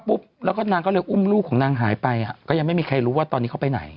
แล้วก็นางก็เลยอุ้มลูกของนางหายไปอ่ะก็ยังไม่มีใครรู้ว่าตอนนี้เขาไปไหน